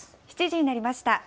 ７時になりました。